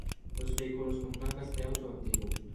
Los vehículos con placas de auto antiguo.